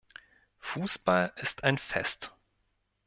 Fußball ist ein Fest.